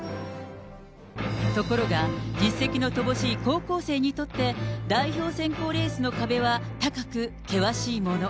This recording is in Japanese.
ところが、実績の乏しい高校生にとって、代表選考レースの壁は高く、険しいもの。